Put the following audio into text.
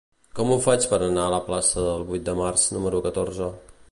Com ho faig per anar a la plaça del Vuit de Març número catorze?